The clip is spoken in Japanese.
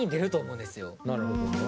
なるほど。